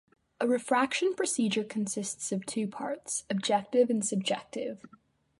A refraction procedure consists of two parts: objective and subjective.